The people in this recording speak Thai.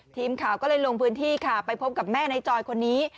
ทีมข่าวก็เลยลงพื้นที่ค่ะไปพบกับแม่ในจอยคนนี้